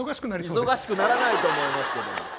忙しくならないと思いますけども。